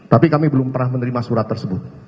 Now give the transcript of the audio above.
tapi kami belum pernah menerima surat tersebut